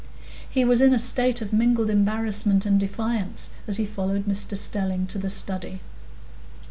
He was in a state of mingled embarrassment and defiance as he followed Mr Stelling to the study.